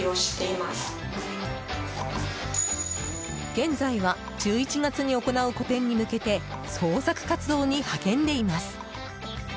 現在は１１月に行う個展に向けて創作活動に励んでいます。